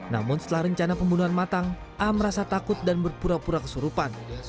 namun setelah rencana pembunuhan matang a merasa takut dan berpura pura kesurupan